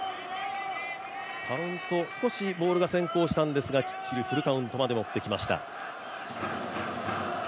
カウント少しボールが先行したんですがきっちりフルカウントまで持っていきました。